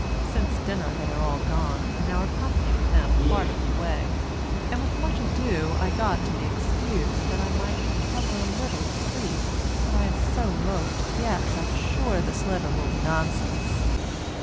Since dinner they are all gone, and our company with them part of the way, and with much ado I got to be excused, that I might recover a little sleep, but am so moped yet that, sure, this letter will be nonsense.